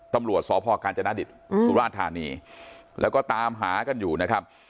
ตำลวดสพกนสุราณฐานีแล้วก็ตามหากันอยู่นะครับ